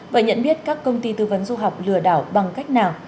và nhận biết các công ty tư vấn du học lừa đảo bằng cách nào